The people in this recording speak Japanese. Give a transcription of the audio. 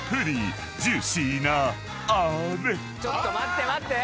ちょっと待って待って！